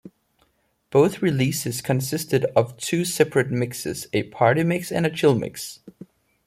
Both releases consisted of two separate mixes, a party mix and a chill mix.